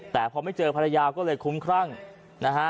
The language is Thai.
แต่พอไม่เจอภรรยาก็เลยคุ้มครั่งนะฮะ